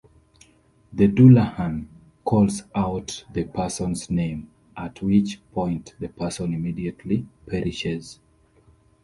The Dullahan calls out the person's name, at which point the person immediately perishes.